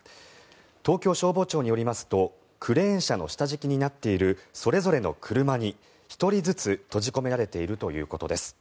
東京消防庁によりますとクレーン車の下敷きになっているそれぞれの車に１人ずつ閉じ込められているということです。